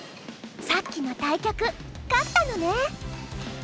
さっきの対局勝ったのね。